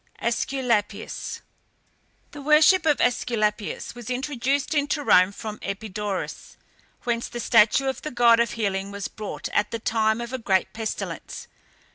ÆSCULAPIUS. The worship of Æsculapius was introduced into Rome from Epidaurus, whence the statue of the god of healing was brought at the time of a great pestilence.